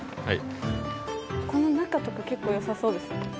はいこの中とか結構良さそうですね